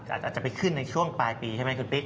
อาจจะไปขึ้นในช่วงปลายปีใช่ไหมคุณปิ๊ก